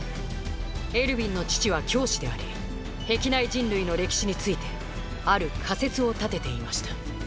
エルヴィンの父は教師であり壁内人類の歴史についてある仮説を立てていました